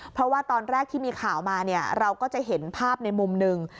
เพราะว่าตอนแรกที่มีข่าวมาเนี่ยเราก็จะเห็นภาพในมุมหนึ่ง